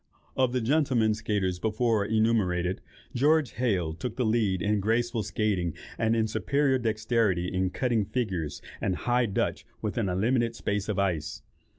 Of the gentlemen skaiters before enumerated, George Heyl took the lead in graceful skaiting, and in superior dexterity in cutting figures and High Dutch within a limited space of ice.